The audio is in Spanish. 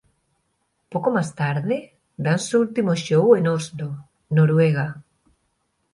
Poco más tarde dan su último show en Oslo, Noruega.